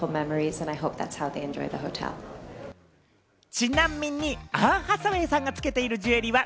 ちなみにアン・ハサウェイさんがつけているジュエリーは